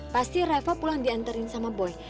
pasti reva pulang dianterin sama boy